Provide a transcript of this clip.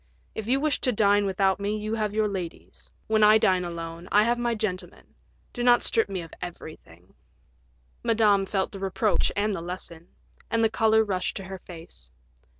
If you wish to dine without me you have your ladies. When I dine alone I have my gentlemen; do not strip me of everything." Madame felt the reproach and the lesson, and the color rushed to her face.